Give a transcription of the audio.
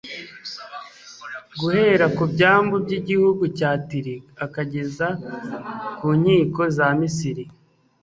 guhera ku byambu by'igihugu cya tiri akageza ku nkiko za misiri